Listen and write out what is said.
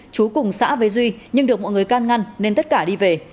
chú cùng xã với duy nhưng được mọi người can ngăn nên tất cả đi về